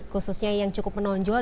khususnya yang cukup menonjol